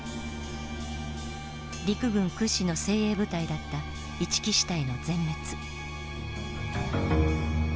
陸軍屈指の精鋭部隊だった一木支隊の全滅。